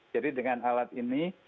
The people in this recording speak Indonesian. jadi dengan alat ini